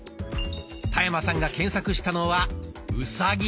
田山さんが検索したのは「うさぎ」。